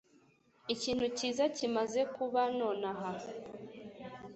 Ikintu cyiza kimaze kuba nonaha.